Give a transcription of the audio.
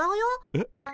えっ？